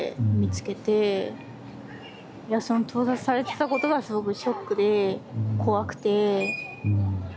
いやその盗撮されてたことがすごくショックで怖くて。